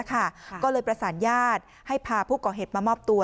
ก็เลยประสานญาติให้พาผู้ก่อเหตุมามอบตัว